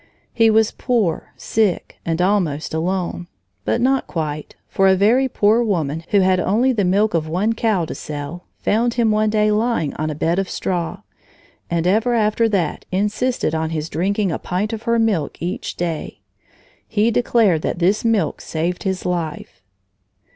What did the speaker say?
He was poor, sick, and almost alone, but not quite, for a very poor woman, who had only the milk of one cow to sell, found him one day lying on a bed of straw, and ever after that insisted on his drinking a pint of her milk each day. He declared that this milk saved his life.